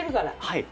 はい。